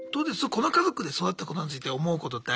この家族で育ったことについて思うことってありますか？